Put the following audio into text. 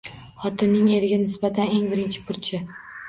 Xotinning eriga nisbatan eng birinchi burchi.